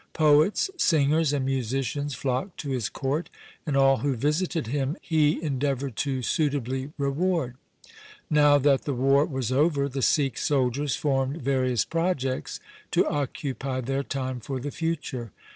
Poets, singers, and musicians flocked to his court, and all who visited him he endeavoured to suitably reward. Now that the war was over, the Sikh soldiers formed various projects to occupy their time for the future.